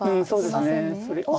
うんそうですね。